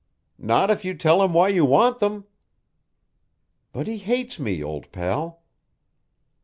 "Not if you tell him why you want them." "But he hates me, old pal."